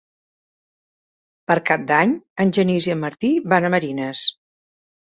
Per Cap d'Any en Genís i en Martí van a Marines.